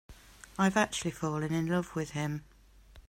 I've actually fallen in love with him.